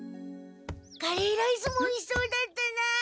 カレーライスもおいしそうだったな。